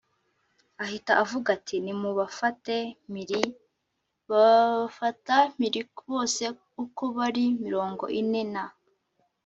Ahita avuga ati nimubafate mpiri f Babafata mpiri bose uko ari mirongo ine na